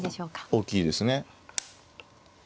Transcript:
大きいですね。